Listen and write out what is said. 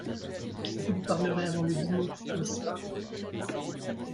Vous lui parlerez avant le dîner, n'est-ce pas ?